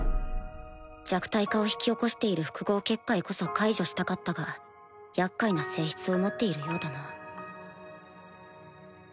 弱体化を引き起こしている複合結界こそ解除したかったが厄介な性質を持っているようだな